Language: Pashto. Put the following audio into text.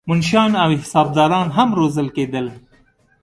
منشیان او حسابداران هم روزل کېدل.